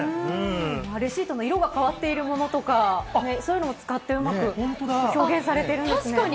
レシートの色が変わっているものとか、そういうのも使って、うまく表現されてるんですね。